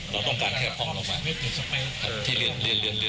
เราต้องการแค่พร่องลงมาที่เรียนเมื่อสักครู่